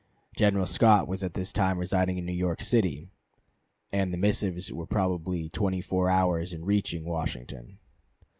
General Scott was at this time residing in New York City, and the missives were probably twenty four hours in reaching Washington.